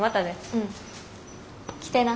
うん。来てな。